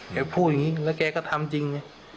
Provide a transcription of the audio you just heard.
พูดอย่างนี้แล้วแกก็ทำจริงไง